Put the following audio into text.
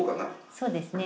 そうですね。